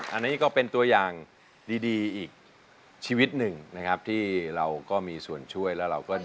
อันนี้ก็เป็นตัวอย่างดีอีกชีวิตหนึ่งนะครับที่เราก็มีส่วนช่วยแล้วเราก็